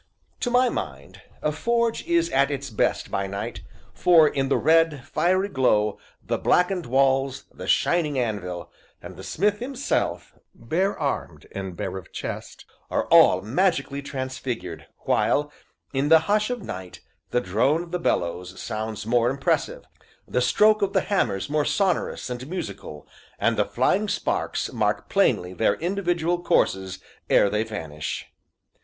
To my mind, a forge is at its best by night, for, in the red, fiery glow, the blackened walls, the shining anvil, and the smith himself, bare armed and bare of chest, are all magically transfigured, while, in the hush of night, the drone of the bellows sounds more impressive, the stroke of the hammers more sonorous and musical, and the flying sparks mark plainly their individual courses, ere they vanish.